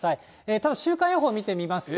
ただ、週間予報見てみますと。